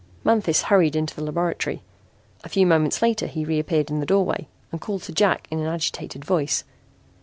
Manthis hurried into the laboratory. A few moments later he reappeared in the doorway and called to Jack in an agitated voice.